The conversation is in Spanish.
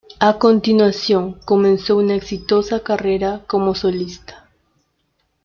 A continuación, comenzó una exitosa carrera como solista.